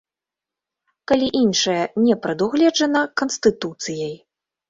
Калі іншае не прадугледжана Канстытуцыяй.